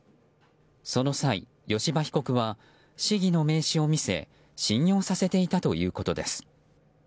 その際、吉羽被告は市議の名刺を見せ信用させていたということです。